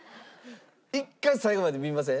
１回最後まで見ません？